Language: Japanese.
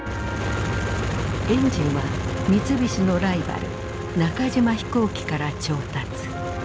エンジンは三菱のライバル中島飛行機から調達。